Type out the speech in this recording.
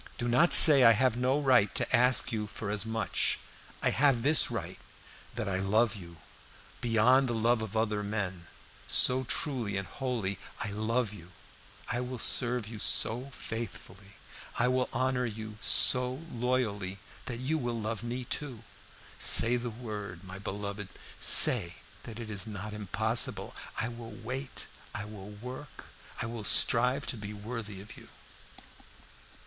Do not say I have no right to ask you for as much. I have this right, that I love you beyond the love of other men, so truly and wholly I love you; I will serve you so faithfully, I will honor you so loyally that you will love me too. Say the word, my beloved, say that it is not impossible! I will wait I will work I will strive to be worthy of you."